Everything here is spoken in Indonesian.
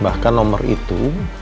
bahkan nomor itu